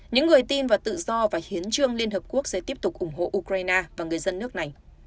những người tin và tự do và hiến trương liên hợp quốc sẽ tiếp tục ủng hộ ukraine và người dân nước này